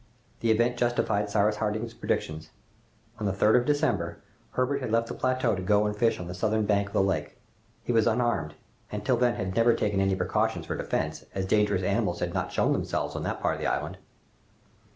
The event justified Cyrus Harding's predictions. On the 3rd of December, Herbert had left the plateau to go and fish on the southern bank of the lake. He was unarmed, and till then had never taken any precautions for defense, as dangerous animals had not shown themselves on that part of the island.